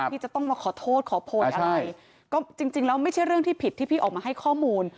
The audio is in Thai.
ที่จะต้องมาขอโทษขอโพยอะไรก็จริงแล้วไม่ใช่เรื่องที่ผิดที่พี่ออกมาให้ข้อมูล